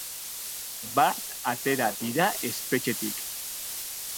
Bart atera dira espetxetik.